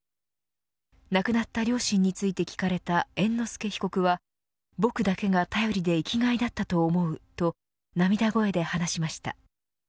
亡くなった両親について聞かれた猿之助被告は僕だけが頼りで生きがいだったと思うと涙声で話しました。